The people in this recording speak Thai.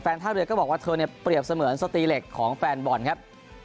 ท่าเรือก็บอกว่าเธอเนี่ยเปรียบเสมือนสตีเหล็กของแฟนบอลครับ